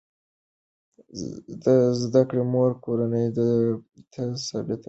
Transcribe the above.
د زده کړې مور کورنۍ ته ثبات ورکوي.